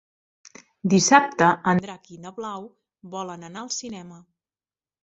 Dissabte en Drac i na Blau volen anar al cinema.